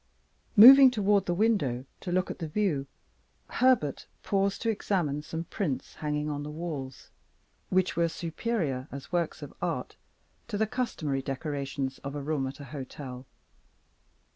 Moving toward the window to look at the view, Herbert paused to examine some prints hanging on the walls, which were superior as works of art to the customary decorations of a room at a hotel.